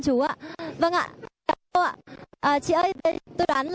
dạ vâng ạ